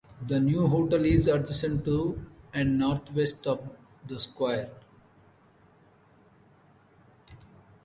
The new hotel is adjacent to and northwest of the square.